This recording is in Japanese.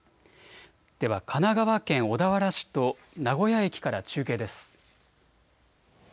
では神奈川県小田原市と名古屋駅から中継です。